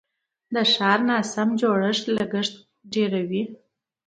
د ښار ناسم جوړښت لګښت ډیروي.